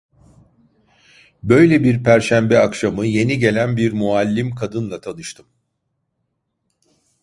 Böyle bir perşembe akşamı, yeni gelen bir muallim kadınla tanıştım.